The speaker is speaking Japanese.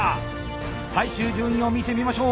最終順位を見てみましょう！